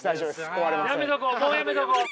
やめとこうもうやめとこう。